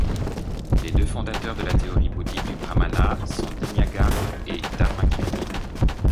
Les deux fondateurs de la théorie bouddhique du pramāņa sont Dignāga et Dharmakīrti.